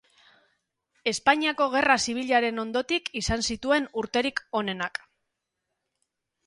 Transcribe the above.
Espainiako Gerra Zibilaren ondotik izan zituen urterik onenak.